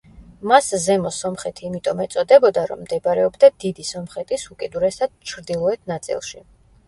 მას ზემო სომხეთი იმიტომ ეწოდებოდა, რომ მდებარეობდა დიდი სომხეთის უკიდურესად ჩრდილოეთ ნაწილში.